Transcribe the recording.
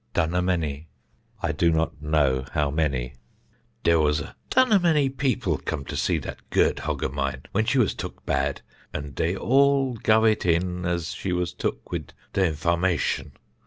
Dunnamany (I do not know how many): "There was a dunnamany people come to see that gurt hog of mine when she was took bad, and they all guv it in as she was took with the information.